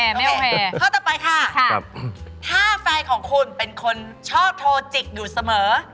ห์ะเนี่ยโอเคห์สตบตั๋วไปค่ะถ้าแฟนของคุณเป็นคนชอบโทจิกอยู่เสมอ